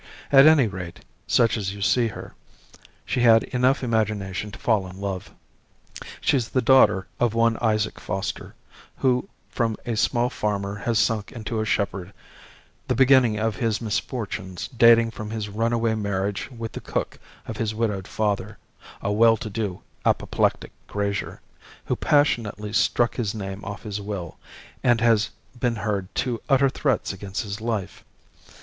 At any rate, such as you see her, she had enough imagination to fall in love. She's the daughter of one Isaac Foster, who from a small farmer has sunk into a shepherd; the beginning of his misfortunes dating from his runaway marriage with the cook of his widowed father a well to do, apoplectic grazier, who passionately struck his name off his will, and had been heard to utter threats against his life.